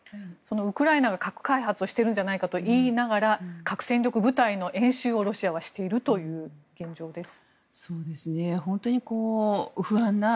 ウクライナが核開発をしているんじゃないかと言いながら核戦力部隊の演習をロシアはしているという現状です。